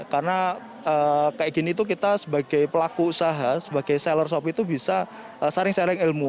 karena kayak gini itu kita sebagai pelaku usaha sebagai seller shop itu bisa saring saring ilmu